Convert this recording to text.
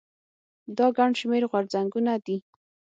دا ګڼ شمېر غورځنګونه دي.